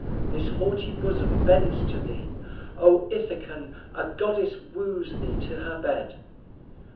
This haughty bosom bends to thee. O Ithacan, a goddess wooes thee to her bed."